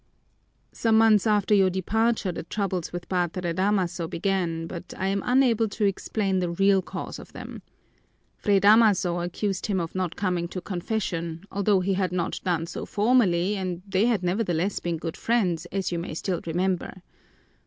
"Some months after your departure the troubles with Padre Damaso began, but I am unable to explain the real cause of them. Fray Damaso accused him of not coming to confession, although he had not done so formerly and they had nevertheless been good friends, as you may still remember.